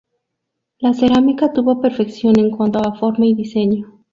La cerámica tuvo perfección en cuanto a forma y diseño.